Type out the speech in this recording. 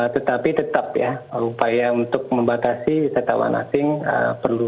tetapi tetap ya upaya untuk membatasi wisatawan asing perlu